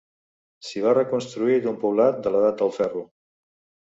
S'hi va reconstruir d'un poblat de l'edat del ferro.